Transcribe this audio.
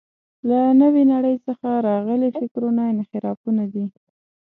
له نوې نړۍ څخه راغلي فکرونه انحرافونه دي.